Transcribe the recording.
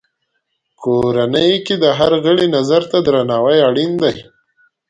کورنۍ کې د هر غړي نظر ته درناوی اړین دی.